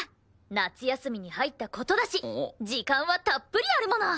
夏休みに入った事だし時間はたっぷりあるもの！